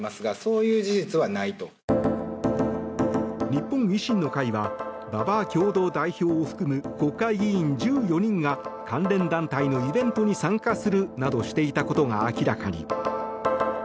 日本維新の会は馬場共同代表を含む国会議員１４人が関連団体のイベントに参加するなどしていたことが明らかに。